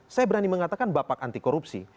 saya berani mengatakan bapak anti korupsi